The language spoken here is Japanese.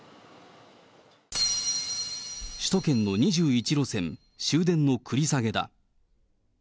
首都圏の２１路線、終電の繰り下げだ。